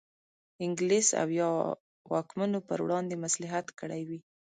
انګلیس او یا واکمنو پر وړاندې مصلحت کړی وي.